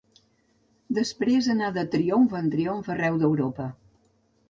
Després anà de triomf en triomf arreu d'Europa.